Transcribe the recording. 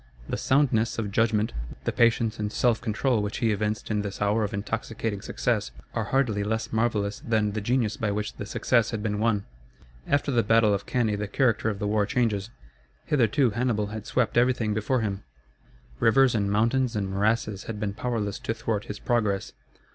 The soundness of judgment, the patience and self control which he evinced in this hour of intoxicating success, are hardly less marvellous than the genius by which the success had been won. After the battle of Cannæ the character of the war changes. Hitherto Hannibal had swept everything before him. Rivers and mountains and morasses had been powerless to thwart his progress.